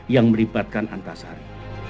yang melibatkan antasari